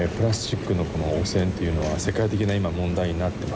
พลาสติกโอเสนช่วงนี้เป็นสิ่งที่จะเป็นปัญหาศิลป์